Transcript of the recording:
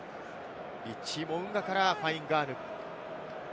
リッチー・モウンガからファインガアヌク。